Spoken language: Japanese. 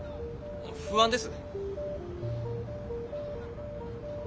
不安です。